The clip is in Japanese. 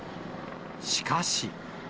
しかし。